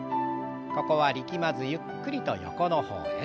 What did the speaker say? ここは力まずゆっくりと横の方へ。